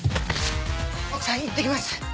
奥さん行ってきます。